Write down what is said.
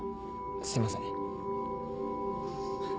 すいません。